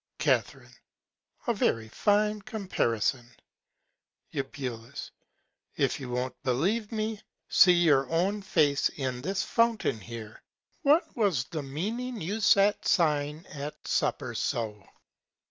Ca. A very fine Comparison. Eu. If you won't believe me, see your own Face in this Fountain here. What was the Meaning you sat sighing at Supper so?